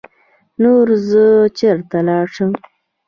نو زۀ چرته لاړ شم ـ